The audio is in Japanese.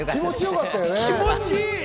気持ちいい。